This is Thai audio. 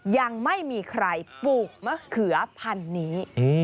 ยังไม่มีใครปลูกมะเขือพันธุ์นี้